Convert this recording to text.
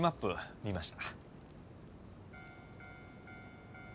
見ました。